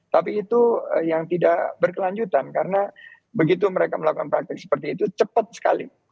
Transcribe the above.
tapi itu yang tidak berkelanjutan karena begitu mereka melakukan praktik seperti itu cepat sekali